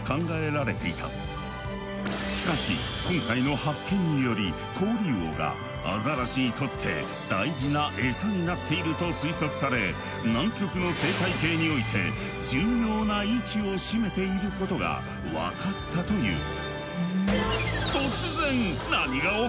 しかし今回の発見によりコオリウオがアザラシにとって大事なエサになっていると推測され南極の生態系において重要な位置を占めていることが分かったという。